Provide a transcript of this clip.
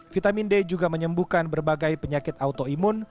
vitamin d juga menyembuhkan berbagai penyakit autoimun